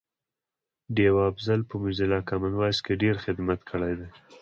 ډیوه افضل په موزیلا کامن وایس کی ډېر خدمت کړی دی